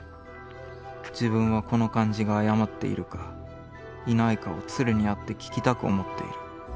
自分はこの感じがあやまっているか、いないかを鶴にって聞きたく思っている。